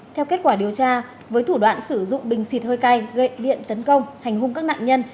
theo kết quả điều tra với thủ đoạn sử dụng bình xịt hơi cay gậy điện tấn công hành hung các nạn nhân